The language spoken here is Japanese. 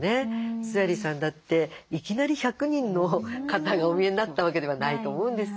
須鑓さんだっていきなり１００人の方がお見えになったわけではないと思うんですよ。